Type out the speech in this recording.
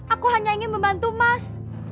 aku hanya ingin membantu mas